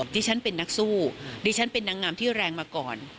ดิฉันเป็นนักสู้ดิฉันเป็นนางงามที่แรงมาก่อน